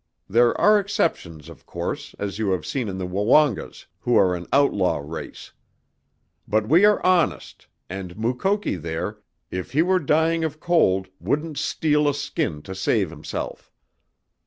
There are exceptions, of course, as you have seen in the Woongas, who are an outlaw race. But we are honest, and Mukoki there, if he were dying of cold, wouldn't steal a skin to save himself.